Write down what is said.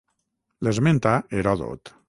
L'esmenta Heròdot.